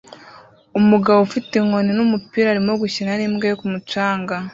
umugabo ufite inkoni n'umupira arimo gukina n'imbwa ye ku mucanga